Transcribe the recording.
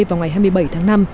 vào ngày hai mươi bảy tháng năm